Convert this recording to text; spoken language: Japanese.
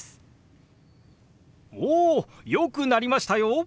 およくなりましたよ！